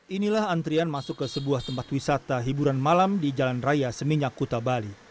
inilah antrian masuk ke sebuah tempat wisata hiburan malam di jalan raya seminyak kuta bali